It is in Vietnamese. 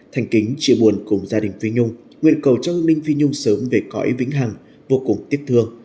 thành kính chia buồn cùng gia đình phi nhung nguyện cầu cho hương ninh phi nhung sớm về cõi vĩnh hằng vô cùng tiếc thương